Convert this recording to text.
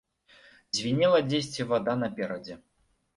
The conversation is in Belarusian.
Звінела дзесьці вада наперадзе.